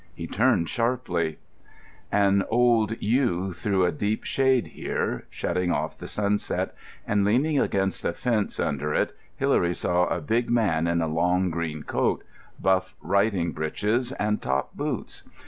He turned sharply. An old yew threw a deep shade here, shutting off the sunset, and, leaning against the fence under it, Hilary saw a big man in a long green coat, buff riding breeches and top boots.